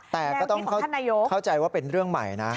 แต่ก็ต้องเข้าใจว่าเป็นเรื่องใหม่นะ